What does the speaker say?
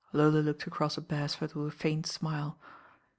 Lola looked across at Bercsford with a faint smile.